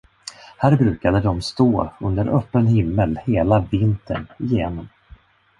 Här brukade de stå under öppen himmel hela vintern igenom.